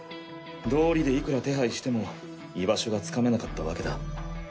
どうりでいくら手配しても居場所がつかめなかったわけだ。